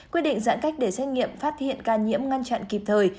quy định giãn cách để xét nghiệm phát hiện ca nhiễm ngăn chặn kịp thời